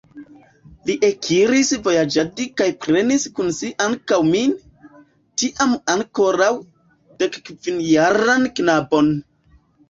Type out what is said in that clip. Li ekiris vojaĝadi kaj prenis kun si ankaŭ min, tiam ankoraŭ dekkvinjaran knabon.